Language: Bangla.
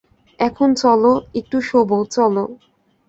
এখন চলো, একটু শোবে চলো।